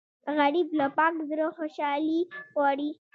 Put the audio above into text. غریب له پاک زړه خوشالي غواړي